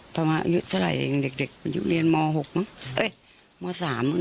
เท่าไหร่เด็กอยู่เรียนม๖มั้ง